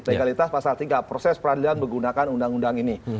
legalitas pasal tiga proses peradilan menggunakan undang undang ini